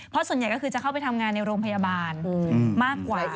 เพราะส่วนใหญ่ก็คือจะเข้าไปทำงานในโรงพยาบาลมากกว่า